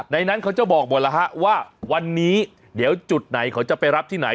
นั้นเขาจะบอกหมดแล้วฮะว่าวันนี้เดี๋ยวจุดไหนเขาจะไปรับที่ไหน